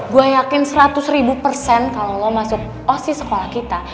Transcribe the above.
gue yakin seratus ribu persen kalau lo masuk osi sekolah kita